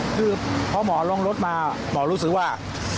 คือพอหมอลงรถมาหมอรู้สึกว่า